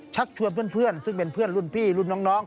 ชักชวนเพื่อนซึ่งเป็นเพื่อนรุ่นพี่รุ่นน้อง